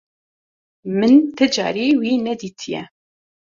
Min ti carî wî nedîtiye.